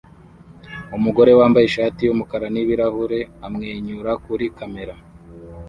Umugore wambaye ishati yumukara n ibirahure amwenyura kuri kamera